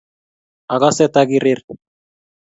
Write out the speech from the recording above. akase takirir.